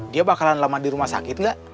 dia bakalan lama di rumah sakit nggak